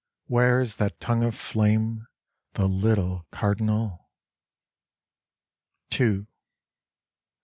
Where is that tongue of flame, the little Cardinal ? II.